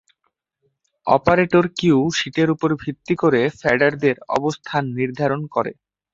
Operator Q শিটের উপর ভিত্তি করে ফ্যাডারদের অবস্থান নির্ধারণ করে।